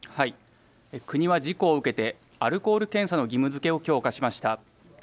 国は事故を受けてアルコール検査の義務づけを強化しました。